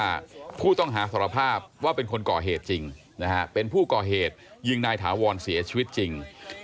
ผู้ต้องหาสารภาพว่าเป็นคนก่อเหตุจริงนะฮะเป็นผู้ก่อเหตุยิงนายถาวรเสียชีวิตจริง